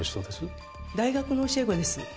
大学の教え子です